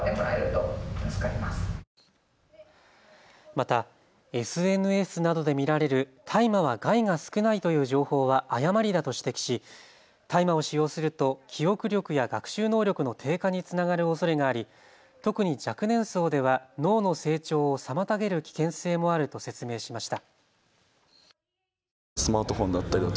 また、ＳＮＳなどで見られる大麻は害が少ないという情報は誤りだと指摘し大麻を使用すると記憶力や学習能力の低下につながるおそれがあり特に若年層では脳の成長を妨げる危険性もあると説明しました。